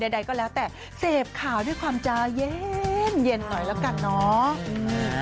ใดก็แล้วแต่เสพข่าวด้วยความจะเย็นหน่อยแล้วกันเนาะ